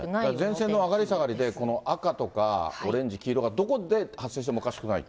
前線の上がり下がりで、この赤とか、オレンジ、黄色がどこで発生してもおかしくない。